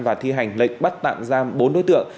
và thi hành lệnh bắt tạm giam bốn đối tượng